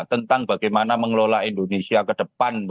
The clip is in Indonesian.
tentang bagaimana mengelola indonesia ke depan